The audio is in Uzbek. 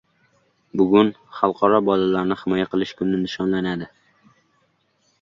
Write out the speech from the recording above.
Bugun Xalqaro bolalarni himoya qilish kuni nishonlanadi